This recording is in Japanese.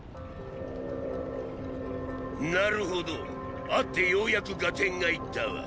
なるほど会ってようやく合点がいったわ。